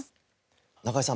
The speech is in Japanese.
中井さん